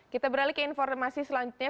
kita beralih ke informasi selanjutnya